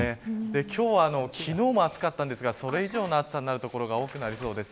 今日は昨日も暑かったんですがそれ以上の暑さになる所が多そうです。